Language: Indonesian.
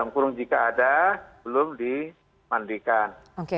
kurung jika ada belum dimandikan